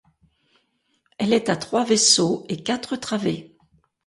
Elle est à trois vaisseaux et quatre travées.